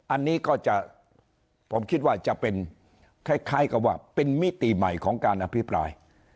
อันนี้ก็จะผมคิดว่าจะเป็นคล้ายกับว่าเป็นมิติใหม่ของการอภิปราย